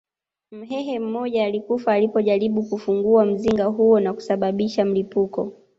Mhehe mmoja alikufa alipojaribu kufungua mzinga huo na kusababisha mlipuko